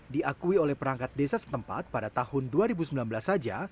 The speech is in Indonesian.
diakui oleh perangkat desa setempat pada tahun dua ribu sembilan belas saja